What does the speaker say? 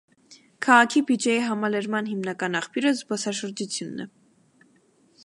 Քաղաքի բյուջեի համալրման հիմնական աղբյուրը զբոսաշրջությունն է։